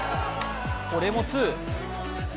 これもツー。